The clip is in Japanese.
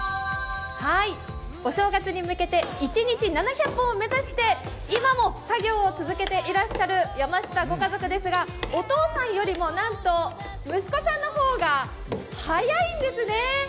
お正月に向けて一日７００本を目指して今も作業を続けていらっしゃる山下ご家族ですが、お父さんよりもなんと息子さんの方が速いんですね。